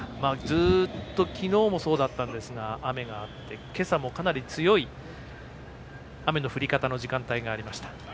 ずっと昨日もそうだったんですが雨があって今朝も、かなり強い雨の降り方の時間帯がありました。